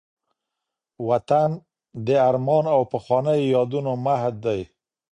وطن د ارمان او پخوانيو یادونو مهد دی.